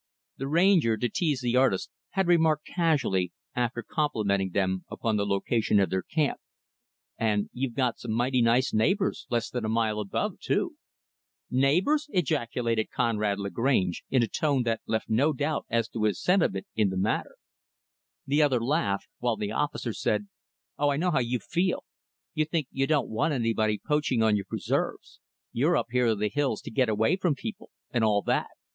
The Ranger, to tease the artist, had remarked casually, after complimenting them upon the location of their camp, "And you've got some mighty nice neighbors, less than a mile above too." "Neighbors!" ejaculated Conrad Lagrange in a tone that left no doubt as to his sentiment in the matter. The others laughed; while the officer said, "Oh, I know how you feel! You think you don't want anybody poaching on your preserves. You're up here in the hills to get away from people, and all that.